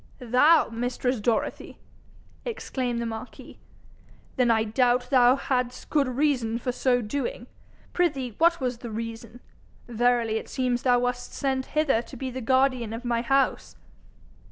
'Thou, mistress Dorothy!' exclaimed the marquis. 'Then I doubt not thou hadst good reason for so doing. Prithee what was the reason? Verily it seems thou wast sent hither to be the guardian of my house!'